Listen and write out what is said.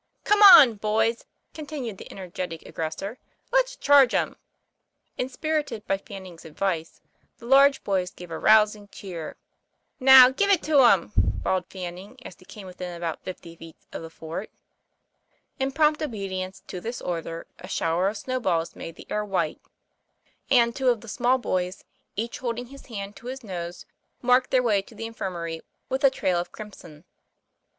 Come on, boys," continued the energetic aggres sor, "let's charge 'em." Inspirited by Fanning's advice, the large boys gave a rousing cheer. "Now, give it 'em," bawled Fanning, as he came within about fifty feet of the fort. In prompt obedience to this order, a shower of snowballs made the air white; and two of the small 1 86 TOM FLAYFAIR. boys, each holding his hand to his nose, marked their way to the infirmary with a trail of crimson.